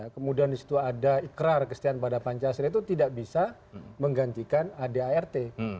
kemudian di situ ada ikrar kestian pada pancasila itu tidak bisa menggantikan adart